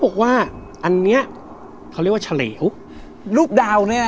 ลูกดาวอันนี้เขาเรียกว่าเด็กของเขานะครับ